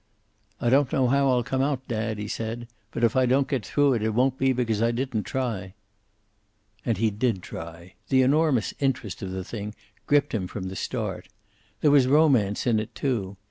"I don't know how I'll come out, dad," he said. "But if I don't get through it won't be because I didn't try." And he did try. The enormous interest of the thing gripped him from the start; There was romance in it, too.